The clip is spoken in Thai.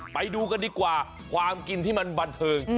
ไปดูกันดีกว่าความกินที่มันบันเทิง